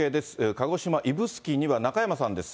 鹿児島・指宿には中山さんです。